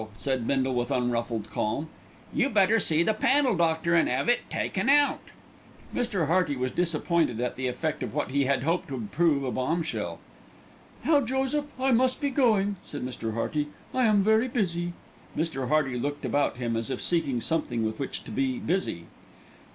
said Bindle with unruffled calm. "You better see the panel doctor, an' 'ave it taken out." Mr. Hearty was disappointed at the effect of what he had hoped would prove a bombshell. "Now, Joseph, I must be going," said Mr. Hearty, "I am very busy." Mr. Hearty looked about him as if seeking something with which to be busy.